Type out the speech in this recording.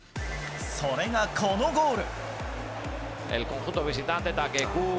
それがこのゴール。